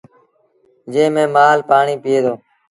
جݩهݩ ميݩ مآل پآڻيٚ پيٚئيٚ دو۔